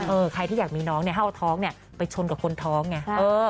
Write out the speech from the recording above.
ใครที่อยากมีน้องเนี่ยให้เอาท้องเนี่ยไปชนกับคนท้องไง